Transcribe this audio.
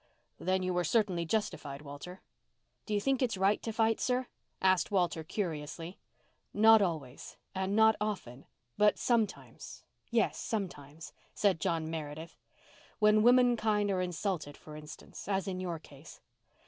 Then you were certainly justified, Walter." "Do you think it's right to fight, sir?" asked Walter curiously. "Not always—and not often—but sometimes—yes, sometimes," said John Meredith. "When womenkind are insulted for instance—as in your case.